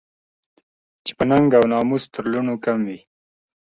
چې په ننګ او په ناموس تر لوڼو کم وي